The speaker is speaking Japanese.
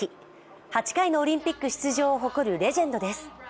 ８回のオリンピック出場を誇るレジェンドです。